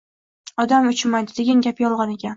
Odam uchmaydi, degan gap yolg‘on ekan